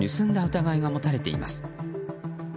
疑いが持たれています。